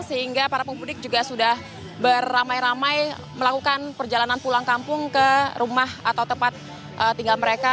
sehingga para pemudik juga sudah beramai ramai melakukan perjalanan pulang kampung ke rumah atau tempat tinggal mereka